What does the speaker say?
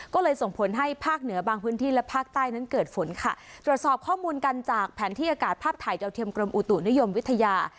ก็เลยส่งผลให้ภาคเหนือบางพื้นที่และภาคใต้นั้นเกิดฝนค่ะตรวจสอบข้อมูลกันจากแผนที่อากาศภาพถ่ายดาวเทียมกรมอุตุนิยมวิทยา